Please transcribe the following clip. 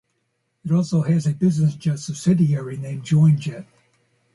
It also has a business jet subsidiary named "JoinJet".